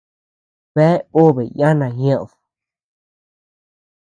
Bea obe yana ñeʼed.